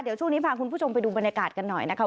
เดี๋ยวช่วงนี้พาคุณผู้ชมไปดูบรรยากาศกันหน่อยนะคะ